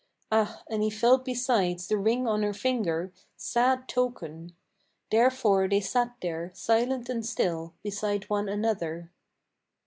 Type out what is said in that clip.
Ah, and he felt besides the ring on her finger, sad token! Therefore they sat there, silent and still, beside one another.